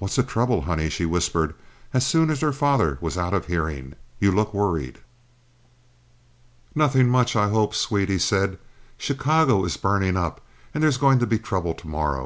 "What's the trouble, honey?" she whispered, as soon as her father was out of hearing. "You look worried." "Nothing much, I hope, sweet," he said. "Chicago is burning up and there's going to be trouble to morrow.